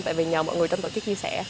tại vì nhờ mọi người trong tổ chức chia sẻ